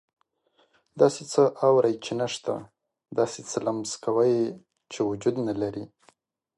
داسې څه اوري چې نه شته، داسې څه لمس کوي چې وجود نه لري.